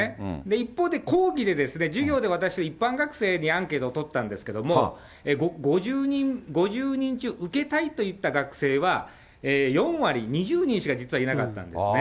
一方で、講義で、授業で私、一般学生にアンケート取ったんですけど、５０人中受けたいと言った学生は、４割、２０人しか実はいなかったんですね。